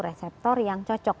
reseptor yang cocok